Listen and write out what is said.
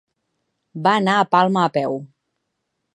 Va anar a Palma a peu.